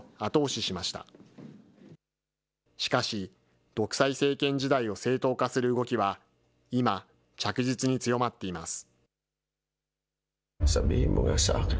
しかし、独裁政権時代を正当化する動きは今、着実に強まっています。